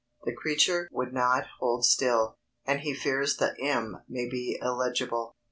The creature would not hold still, and he fears the M may be illegible.